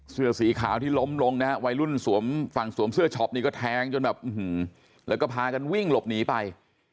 เสื้อสีขาวที่ล้มลงนะฮะวัยรุ่นสวมฝั่งสวมเสื้อช็อปนี่ก็แทงจนแบบแล้วก็พากันวิ่งหลบหนีไป